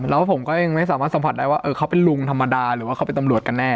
แล้วผมก็ยังไม่สามารถสัมผัสได้ว่าเขาเป็นลุงธรรมดาหรือว่าเขาเป็นตำรวจกันแน่